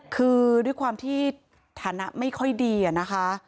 คือด้วยความที่ฐานะไม่ค่อยดีอะนะคะ